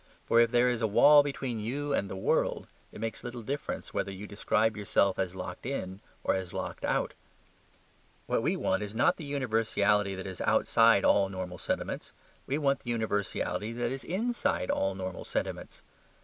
For if there is a wall between you and the world, it makes little difference whether you describe yourself as locked in or as locked out. What we want is not the universality that is outside all normal sentiments; we want the universality that is inside all normal sentiments.